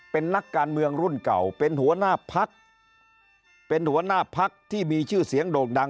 เป็นนักการเมืองรุ่นเก่าเป็นหัวหน้าพักเป็นหัวหน้าพักที่มีชื่อเสียงโด่งดัง